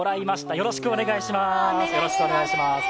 よろしくお願いします。